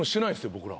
僕ら。